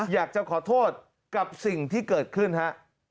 อยากจะขอโทษกับสิ่งที่เกิดขึ้นฮะ